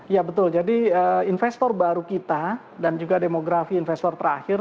ya betul jadi investor baru kita dan juga demografi investor terakhir